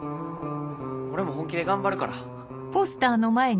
俺も本気で頑張るから。